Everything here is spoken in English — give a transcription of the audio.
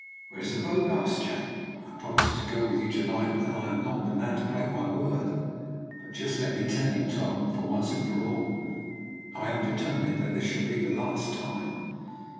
"Where is the boat?" asked Jack. "I promised to go with you to night, and I am not the man to break my word; but just let me tell you, Tom, once for all, I am determined that this shall be the last time."